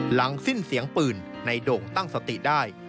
หลังสิ้นเสียงปืนในโด่งตั้งสติได้